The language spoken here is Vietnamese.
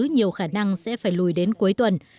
nhiều khả năng sẽ phải lùi đến cuối tuần